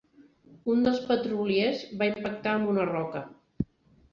Un dels petroliers va impactar amb una roca